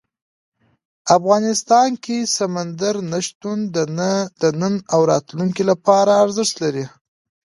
افغانستان کې سمندر نه شتون د نن او راتلونکي لپاره ارزښت لري.